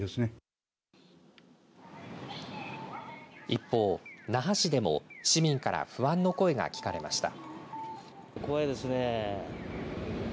一方、那覇市でも市民から不安の声が聞かれました。